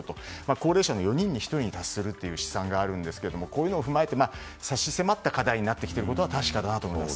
高齢者の４人に１人に達するという試算があるんですがこういうのを踏まえて差し迫った課題になってきているのは確かだなと思います。